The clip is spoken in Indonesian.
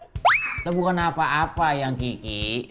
kita bukan apa apa yang kiki